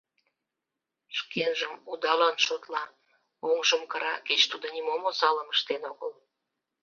Шкенжым удалан шотла, оҥжым кыра, кеч тудо нимом осалым ыштен огыл.